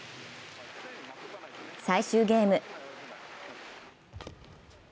最終ゲーム。